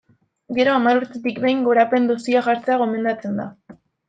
Gero, hamar urtetik behin gogorapen-dosia jartzea gomendatzen da.